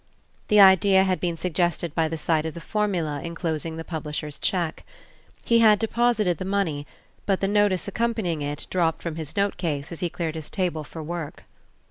The idea had been suggested by the sight of the formula enclosing the publisher's check. He had deposited the money, but the notice accompanying it dropped from his note case as he cleared his table for work.